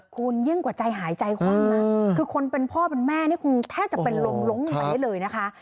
คุณยิ่งกว่าใจหายใจคว่ำน่ะคือคนเป็นพ่อมันแม่เนี่ยคงแทบจะเป็นหลงเลยนะคะ